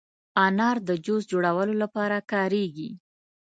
انار د جوس جوړولو لپاره کارېږي.